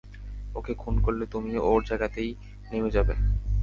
ওকে খুন করলে তুমিও ওর জায়গাতেই নেমে যাবে।